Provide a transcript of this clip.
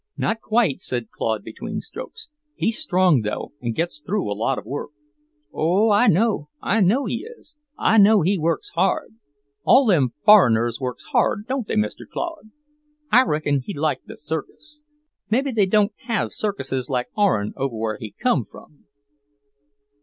"Not quite," said Claude between strokes. "He's strong, though, and gets through a lot of work." "Oh, I know! I know he is. I know he works hard. All them foreigners works hard, don't they, Mr. Claude? I reckon he liked the circus. Maybe they don't have circuses like our'n, over where he come from."